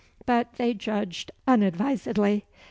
But they judged unadvisedly.